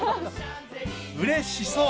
うれしそう！